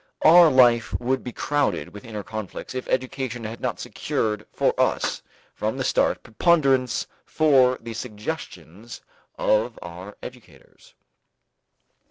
Our life would be crowded with inner conflicts if education had not secured for us from the start preponderance for the suggestions of our educators.